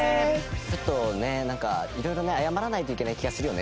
ちょっとねなんか色々ね謝らないといけない気がするよね